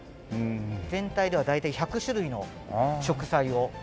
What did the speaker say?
全体では大体１００種類の植栽を。